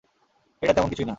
এটা তেমন কিছুই না।